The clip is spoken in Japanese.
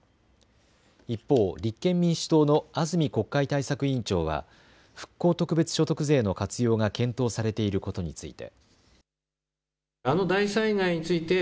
一方、立憲民主党の安住国会対策委員長は復興特別所得税の活用が検討されていることについて。